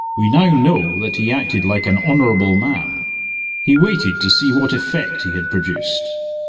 We now know that he acted like an honorable man." He waited to see what effect he had produced.